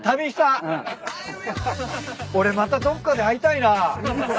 俺またどっかで会いたいな。